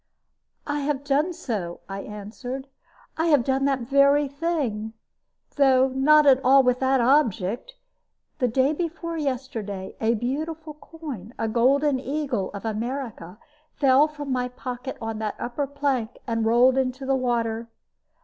"I have done so," I answered; "I have done that very thing, though not at all with that object. The day before yesterday a beautiful coin, a golden eagle of America, fell from my pocket on that upper plank, and rolled into the water.